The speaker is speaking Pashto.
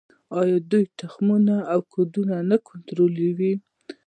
آیا دوی تخمونه او کود نه کنټرولوي؟